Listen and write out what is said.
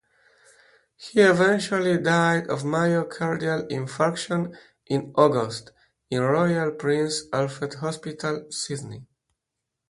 He eventually died of myocardial infarction in August in Royal Prince Alfred Hospital, Sydney.